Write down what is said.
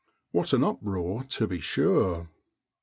What an uproar to be sure!